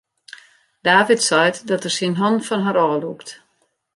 David seit dat er syn hannen fan har ôflûkt.